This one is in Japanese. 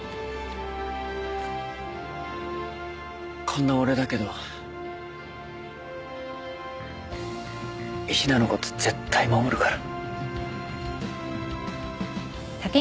こんな俺だけどヒナのこと絶対守るから。